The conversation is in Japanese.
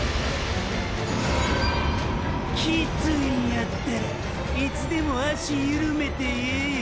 キツイんやったらいつでも足ゆるめてええよ？